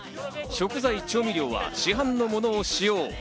食材、調味料は市販のものを使用。